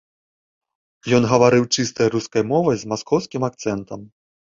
Ён гаварыў чыстай рускай мовай, з маскоўскім акцэнтам.